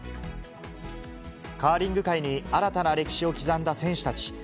カーリング界に新たな歴史を刻んだ選手たち。